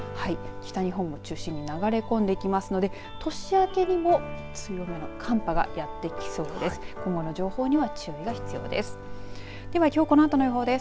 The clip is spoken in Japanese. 北日本を中心に流れ込んできますので年明けにも強めの寒波がやってきそうです。